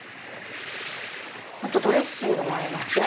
ドレッシングもありますね